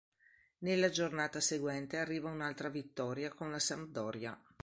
Nella giornata seguente arriva un'altra vittoria, con la Sampdoria.